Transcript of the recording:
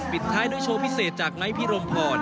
ท้ายด้วยโชว์พิเศษจากไนท์พิรมพร